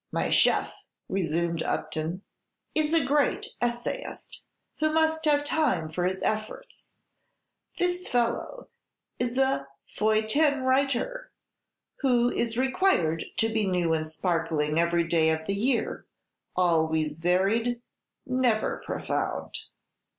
"My chef," resumed Upton, "is a great essayist, who must have time for his efforts. This fellow is a feuilleton writer, who is required to be new and sparkling every day of the year, always varied, never profound."